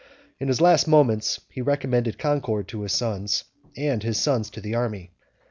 In his last moments he recommended concord to his sons, and his sons to the army.